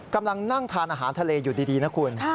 กำลังนั่งทานอาหารทะเลอยู่ดีนะคุณ